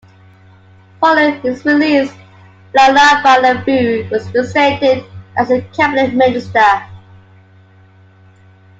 Following his release, Lalabalavu was reinstated as a Cabinet Minister.